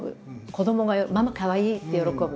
子どもが「ママかわいい！」って喜ぶ。